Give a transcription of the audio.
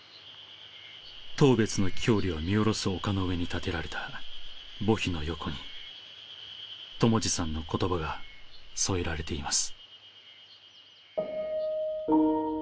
当別の郷里を見下ろす丘の上に建てられた墓碑の横に友次さんの言葉が添えられています。